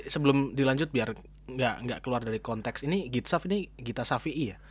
sebelum dilanjut biar gak keluar dari konteks ini gitsaf ini gita safi i ya